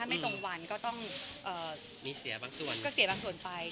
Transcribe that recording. ไม่ตรงวันก็ต้องเสียบางส่วนไป